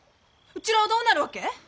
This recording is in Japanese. うちらはどうなるわけ？